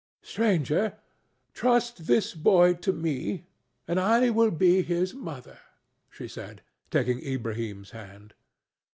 "Stranger, trust this boy to me, and I will be his mother," she said, taking Ilbrahim's hand.